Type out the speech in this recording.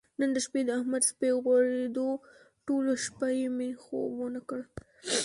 نن د شپې د احمد سپی غورېدو ټوله شپه یې مې خوب ونه کړ.